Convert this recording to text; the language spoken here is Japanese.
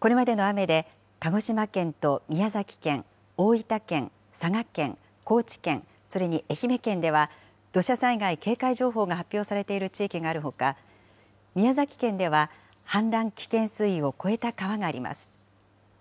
これまでの雨で、鹿児島県と宮崎県、大分県、佐賀県、高知県、それに愛媛県では、土砂災害警戒情報が発表されている地域があるほか、宮崎県では氾濫危険水位を超えた川があります。